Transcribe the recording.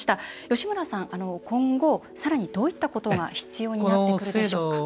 吉村さん、今後さらにどういったことが必要になってくるでしょうか？